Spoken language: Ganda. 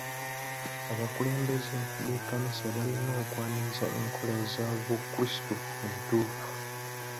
Abakulembeze b'ekkanisa balina okwaniriza enkola z'obukrisitaayo entuufu.